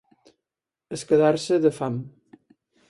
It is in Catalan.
Esquerdar-se de fam.